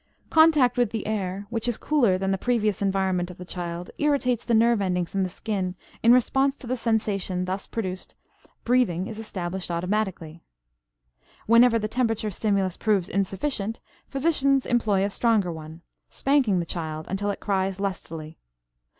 Contact with the air, which is cooler than the previous environment of the child, irritates the nerve endings in the skin; in response to the sensation thus produced breathing is established automatically. Whenever the temperature stimulus proves insufficient, physicians employ a stronger one, spanking the child until it cries lustily.